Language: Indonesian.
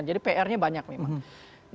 jadi pr nya banyak memang